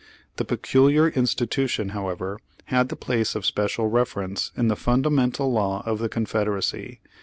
The "peculiar institution," however, had the place of special reference in the fundamental law of the Confederacy.